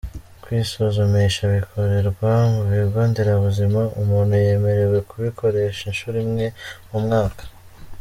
Kwisuzumisha bikorerwa mu bigo nderabuzima, umuntu yemerewe kubikoresha inshuro imwe mu mwaka.